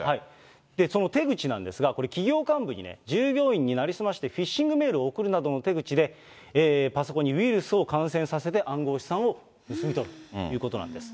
その手口なんですが、これ、企業幹部に従業員に成り済ましてフィッシングメールを送るなどの手口で、パソコンにウイルスを感染させて、暗号資産を盗み取るということなんです。